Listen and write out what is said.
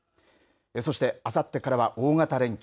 そしてあさってからは大型連休。